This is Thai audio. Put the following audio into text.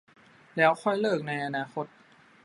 แล้วค่อยเลิกในอนาคต